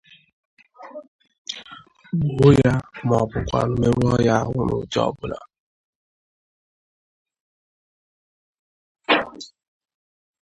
gbuo ya maọbụkwanụ merụọ ya ahụ n'ụdị ọbụla.